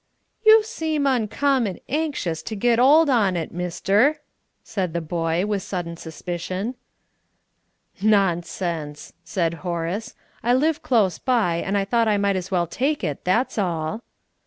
"You seem uncommon anxious to get 'old on it, mister!" said the boy, with sudden suspicion. "Nonsense!" said Horace. "I live close by, and I thought I might as well take it, that's all."